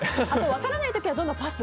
分からない時はどんどんパス。